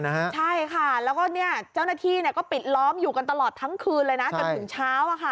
ใช่ค่ะแล้วก็เจ้าหน้าที่ก็ปิดล้อมอยู่กันตลอดทั้งคืนเลยนะจนถึงเช้า